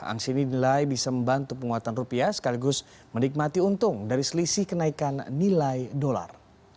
angsini nilai bisa membantu penguatan rupiah sekaligus menikmati untung dari selisih kenaikan nilai dolar